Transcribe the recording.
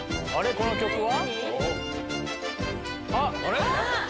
この曲は。